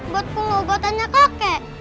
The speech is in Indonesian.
buat pengobotannya kakek